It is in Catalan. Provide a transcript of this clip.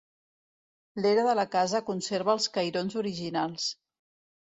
L'era de la casa conserva els cairons originals.